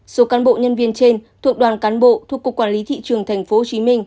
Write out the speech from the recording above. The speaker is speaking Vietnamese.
số cán bộ nhân viên trên thuộc đoàn cán bộ thuộc cục quản lý thị trường tp hcm